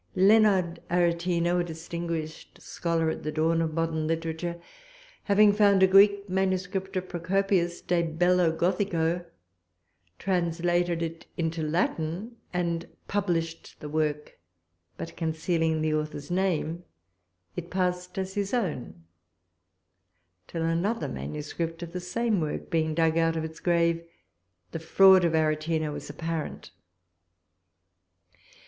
Leonard Aretino, a distinguished scholar at the dawn of modern literature, having found a Greek manuscript of Procopius De Bello Gothico, translated it into Latin, and published the work; but concealing the author's name, it passed as his own, till another manuscript of the same work being dug out of its grave, the fraud of Aretino was apparent.